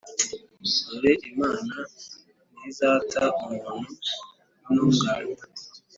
“dore imana ntizata umuntu w’intungane,